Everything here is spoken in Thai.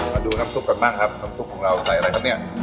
มาดูน้ำซุปกันบ้างครับน้ำซุปของเราใส่อะไรครับเนี่ย